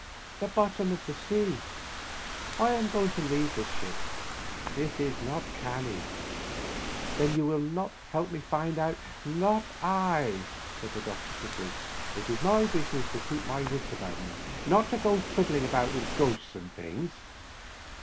" The bottom of the sea. I am going to leave this ship. It is not canny." " Then you will not help me to find out —^"" Not I," said the doctor, quickly. " It is my busi ness to keep my wits about me — ^not to go fiddling about with ghosts and things."